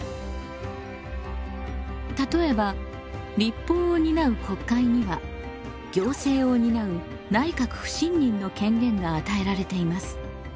例えば立法を担う国会には行政を担う内閣不信任の権限が与えられています。